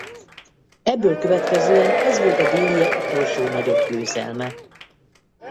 Ebből következően ez volt a déliek utolsó nagyobb győzelme.